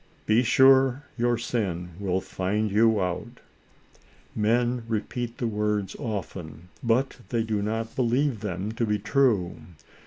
"Be sure your sin will find you out." Men repeat the words often, but they do not believe them to be true.